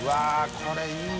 これいいな。